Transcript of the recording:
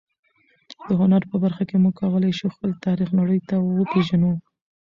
د هنر په مرسته موږ کولای شو خپل تاریخ نړۍ ته وپېژنو.